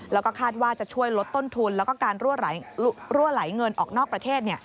แล้วก็คาดว่าจะช่วยลดต้นทุนแล้วก็การรั่วไหลเงินออกนอกประเทศ